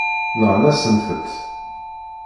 Nɣan-asent-tt.